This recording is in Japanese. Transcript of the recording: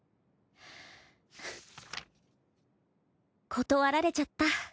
「断られちゃった。